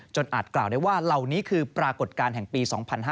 อาจกล่าวได้ว่าเหล่านี้คือปรากฏการณ์แห่งปี๒๕๕๙